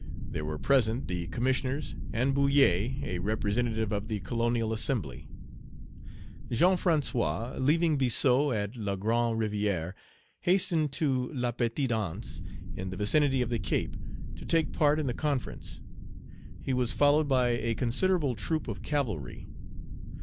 There were present, the commissioners, and Bullet, a representative of the Colonial Assembly. Jean François, leaving Biassou at La Grand Rivière, hastened to La Petite Anse, in the vicinity of the Cape, to take part in the conference. He was followed by a considerable troop of cavalry.